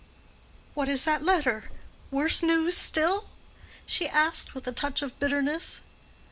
"What is that letter?—worse news still?" she asked, with a touch of bitterness.